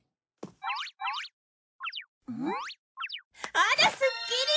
あらすっきり！